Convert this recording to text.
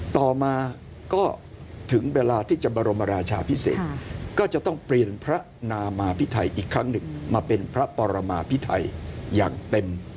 ต่อมาก็ถึงเวลาที่จะบรมราชาพิเศษก็จะต้องเปลี่ยนพระนามาพิไทยอีกครั้งหนึ่งมาเป็นพระปรมาพิไทยอย่างเต็ม